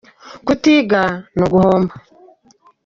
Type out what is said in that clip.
Kutiga ni uguhomba.